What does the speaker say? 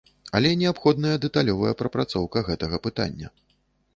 Але неабходная дэталёвая прапрацоўка гэтага пытання.